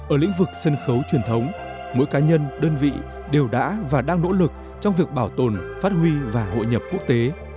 ở lĩnh vực sân khấu truyền thống mỗi cá nhân đơn vị đều đã và đang nỗ lực trong việc bảo tồn phát huy và hội nhập quốc tế